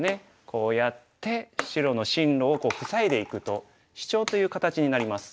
こうやって白の進路を塞いでいくとシチョウという形になります。